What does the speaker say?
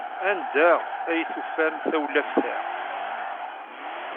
Anda ay tufam tawlaft-a?